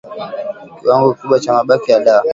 kiwango kikubwa cha mabaki ya dawa